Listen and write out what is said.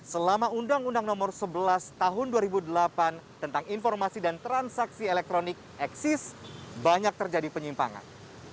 selama undang undang nomor sebelas tahun dua ribu delapan tentang informasi dan transaksi elektronik eksis banyak terjadi penyimpangan